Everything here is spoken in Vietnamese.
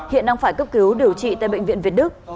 hiện đang phải cấp cứu điều trị tại bệnh viện việt đức